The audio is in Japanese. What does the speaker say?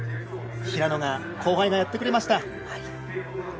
平野が、後輩がやってくれました。